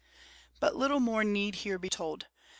But little more need here be told.